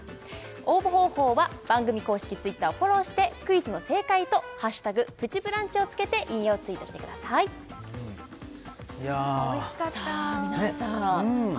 応募方法は番組公式Ｔｗｉｔｔｅｒをフォローしてクイズの正解と「＃プチブランチ」をつけて引用ツイートしてくださいいやおいしかったさあ